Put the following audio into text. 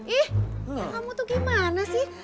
ih kamu tuh gimana sih